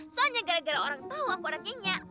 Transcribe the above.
soalnya gara gara orang tau aku anak nyenyak